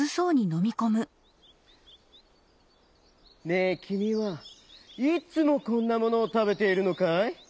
「ねえきみはいつもこんなものをたべているのかい？